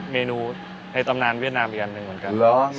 เมนูในตำนานเวียดนามอีกอันหนึ่งเหมือนกัน